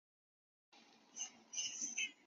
郭坚出生于一个贫苦的农民家庭。